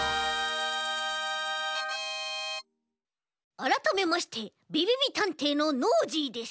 あらためましてびびびたんていのノージーです。